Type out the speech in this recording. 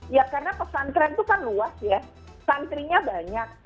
ya karena pesantren itu kan luas ya santrinya banyak